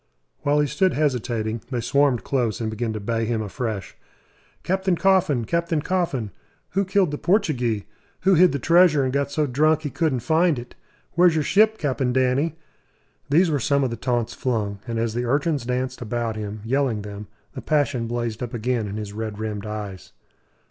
While he stood hesitating, they swarmed close and began to bay him afresh. "Captain Coffin, Captain Coffin!" "Who killed the Portugee?" "Who hid the treasure and got so drunk he couldn't find it?" "Where's your ship, Cap'n Danny?" These were some of the taunts flung; and as the urchins danced about him, yelling them, the passion blazed up again in his red rimmed eyes.